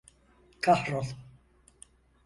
Kahrol!